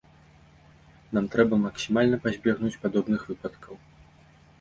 Нам трэба максімальна пазбегнуць падобных выпадкаў.